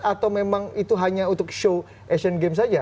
atau memang itu hanya untuk show asian games saja